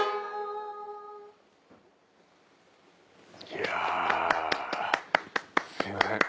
いやすいません。